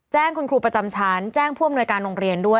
แจ้งคุณครูประจำชั้นแจ้งผู้อำนวยการโรงเรียนด้วย